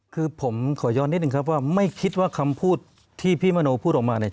คือผมขอย้อนนิดนึงครับว่าไม่คิดว่าคำพูดที่พี่มโนพูดออกมาเนี่ย